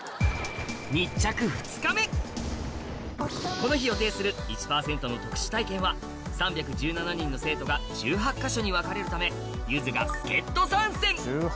この日予定する１％の特殊体験は３１７人の生徒が１８か所に分かれるためゆずが助っ人参戦